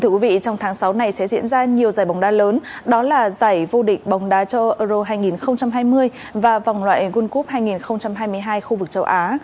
trong tháng sáu này sẽ diễn ra nhiều giải bóng đá lớn đó là giải vô địch bóng đá cho euro hai nghìn hai mươi và vòng loại world cup hai nghìn hai mươi hai khu vực châu á